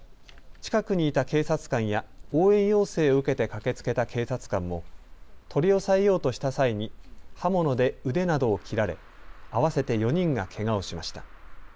近くにいた警察官や応援要請を受けて駆けつけた警察官も取り押さえようとした際に刃物で腕などを切られ合わせて４人がけがをしました。